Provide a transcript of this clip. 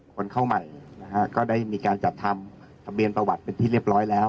คนเข้าใหม่นะฮะก็ได้มีการจัดทำทะเบียนประวัติเป็นที่เรียบร้อยแล้ว